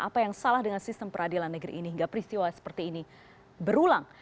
apa yang salah dengan sistem peradilan negeri ini hingga peristiwa seperti ini berulang